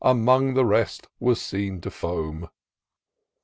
Among the rest was seen to foam.